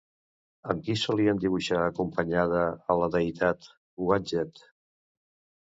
Amb qui solien dibuixar acompanyada a la deïtat Uadjet?